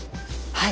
はい。